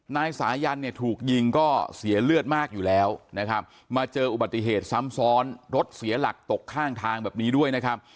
นายสายันเนี่ยถูกยิงก็เสียเลือดมากอยู่แล้วนะครับมาเจออุบัติเหตุซ้ำซ้อนรถเสียหลักตกข้างทางแบบนี้ด้วยนะครับ